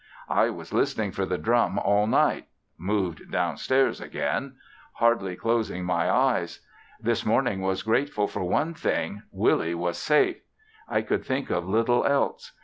I was listening for the drum all night (moved downstairs again); hardly closing my eyes. This morning was grateful for one thing, Willie was safe! I could think of little else.